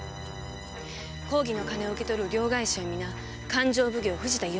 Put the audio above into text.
公儀の金を受け取る両替商は皆勘定奉行・藤田伊予